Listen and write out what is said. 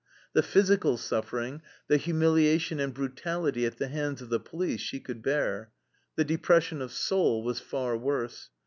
The physical suffering, the humiliation and brutality at the hands of the police she could bear. The depression of soul was far worse.